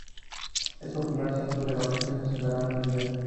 Es popular centro de vacaciones de verano e invierno.